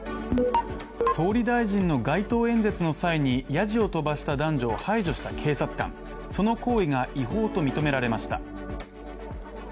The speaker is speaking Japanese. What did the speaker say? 総理大臣の街頭演説の際にやじを飛ばした男女を排除した警察官その行為が違法と認められました。